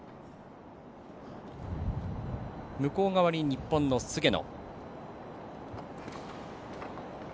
向こう側に日本の菅野。